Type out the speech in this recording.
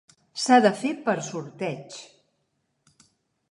S'ha de fer per sorteig.